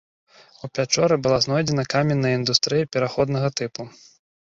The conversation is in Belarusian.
У пячоры была знойдзена каменная індустрыя пераходнага тыпу.